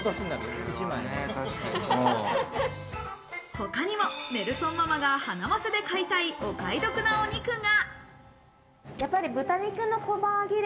他にもネルソンママがハナマサで買いたい、お買い得なお肉が。